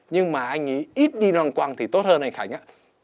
nhưng mà anh ấy ít đi loang quang thì tốt hơn anh khánh ạ